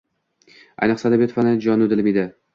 Ayniqsa, adabiyot fani jonu dilim edi